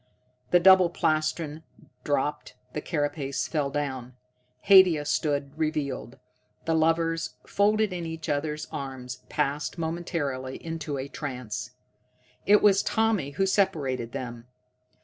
The double plastron dropped, the carapace fell down: Haidia stood revealed. The lovers, folded in each other's arms, passed momentarily into a trance. It was Tommy who separated them.